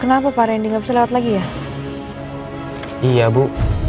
kenapa pak randi nggak bisa lewat lagi ya bu